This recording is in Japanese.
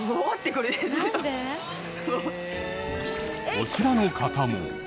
こちらの方も。